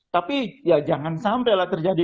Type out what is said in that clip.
tapi ya jangan sampai lah terjadi